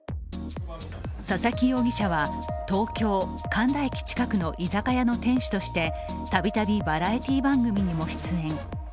佐々木容疑者は、東京・神田駅近くの居酒屋の店主として度々バラエティー番組にも出演。